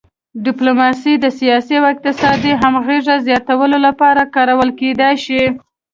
ډیپلوماسي د سیاسي او اقتصادي همغږۍ زیاتولو لپاره کارول کیدی شي